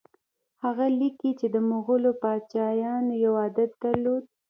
هغه لیکي چې د مغولو پاچایانو یو عادت درلود.